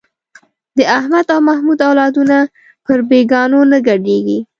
د احمد او محمود اولادونه پر بېګانو نه ګډېږي.